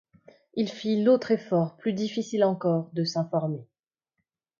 Il fit l’autre effort plus difficile encore de s’informer.